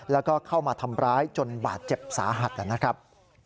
แล้วก็เข้ามาทำร้ายจนบาดเจ็บสาหัสนะครับ